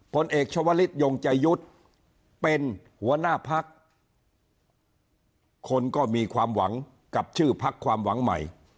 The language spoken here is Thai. ผลเอกชวลิศยงใจยุทธ์เป็นหัวหน้าพักคนก็มีความหวังกับชื่อพักความหวังใหม่